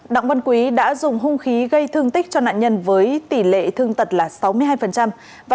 đặng văn quý đã dùng hung khí gây thương tích cho nạn nhân với tỷ lệ thương tật là sáu mươi hai